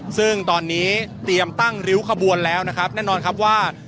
ซึ่งตอนนี้เตรียมตั้งริ้วขบวนแล้วนะครับแน่นอนครับว่า